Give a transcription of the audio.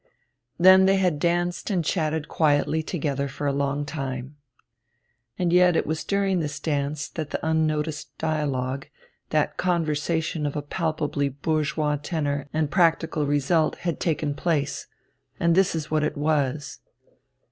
Then they had danced and chatted quietly together for a long time. And yet it was during this dance that that unnoticed duologue, that conversation of a palpably bourgeois tenor and practical result, had taken place and this is what it was.